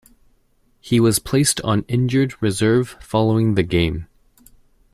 He was placed on injured reserve following the game.